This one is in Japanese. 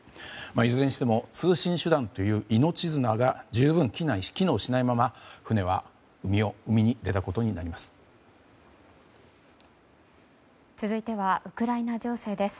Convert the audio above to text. いずれにしても通信手段という命綱が十分機能しないまま船は海に出たことになります。